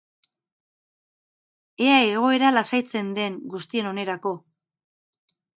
Ea egoera lasaitzen den, guztien onerako.